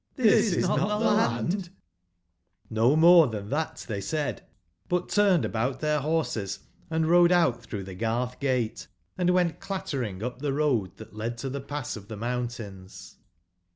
^bis is not tbe Landt"j(^]^o more tban tbat tbey eaid, but turned about tbeir borses and rode out through tbe garth gate, & went clattering up the road tbat led to tbe pass of tbe mountains.